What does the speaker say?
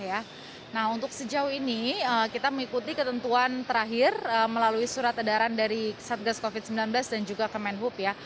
nah untuk sejauh ini kita mengikuti ketentuan terakhir melalui surat edaran dari satgas covid sembilan belas dan juga kemenhub ya